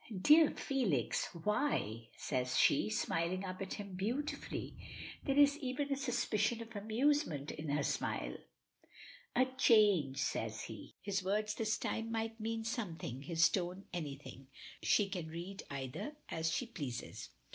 "Dear Felix, why?" says she, smiling up at him beautifully. There is even a suspicion of amusement in her smile. "A change!" says he. His words this time might mean something, his tone anything. She can read either as she pleases.